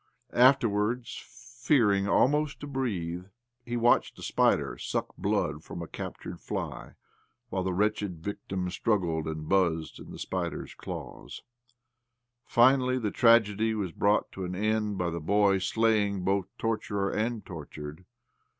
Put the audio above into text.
Afterwards, OBLOMOV 103 fearinig almost to breathe, he watched a spider suck blood from a capitured fly, while the wretched victim struggled and buzzed in the spider's claws. Finally the tragedy was brought to an end by the boy slaying both torturer and tortured.